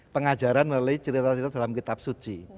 pengajaran melalui cerita cerita dalam kitab suci